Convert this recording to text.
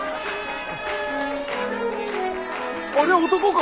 あれは男か？